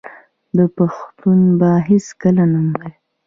آیا پښتو به هیڅکله نه مري؟